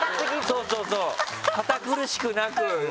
そうそうそう。